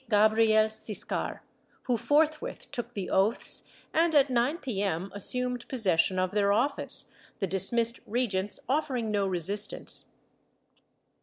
Gabriel Ciscar, who forthwith took the oaths and at 9 p.m. assumed possession of their ofhce, the dis missed regents offering no resistance.